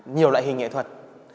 nhiều loại hình nghệ thuật